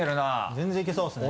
全然いけそうですね。